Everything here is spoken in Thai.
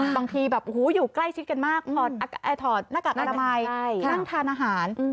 บางทีแบบอยู่ใกล้ชิดกันมากถอดหน้ากากอนามัยนั่งทานอาหาร